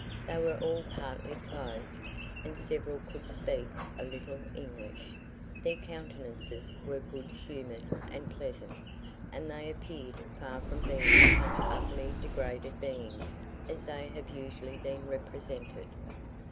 They were all partly clothed, and several could speak a little English: their countenances were good humoured and pleasant, and they appeared far from being such utterly degraded beings as they have usually been represented.